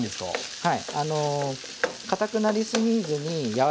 はい。